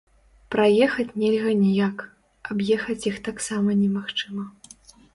Праехаць нельга ніяк, аб'ехаць іх так сама немагчыма.